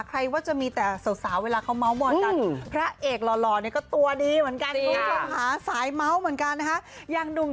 ใครว่าจะมีแต่สาวเวลาเขาม้าวหมอนกัน